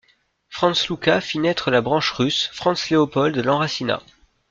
Franz-Luka fit naître la branche russe, Franz-Leopold l'enracina.